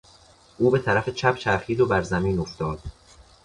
او به طرف چپ چرخید و بر زمین افتاد.